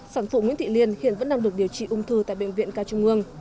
sản phụ nguyễn thị liên hiện vẫn đang được điều trị ung thư tại bệnh viện ca trung ương